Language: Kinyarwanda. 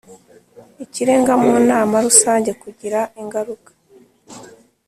Ikirenga mu nama rusange kugira ingaruka